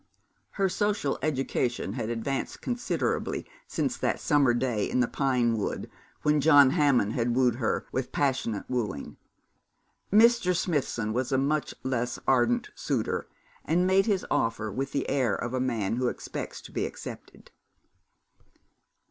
Her social education had advanced considerably since that summer day in the pine wood, when John Hammond had wooed her with passionate wooing. Mr. Smithson was a much less ardent suitor, and made his offer with the air of a man who expects to be accepted.